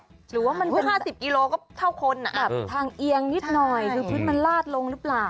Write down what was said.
หรือว่ามันแค่๕๐กิโลก็เท่าคนทางเอียงนิดหน่อยคือพื้นมันลาดลงหรือเปล่า